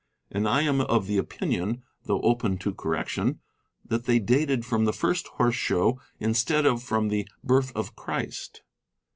And I am of the opinion, though open to correction, that they dated from the first Horse Show instead of from the birth of Christ.